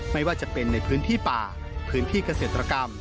ไม่ว่าจะเป็นในพื้นที่ป่าพื้นที่เกษตรกรรม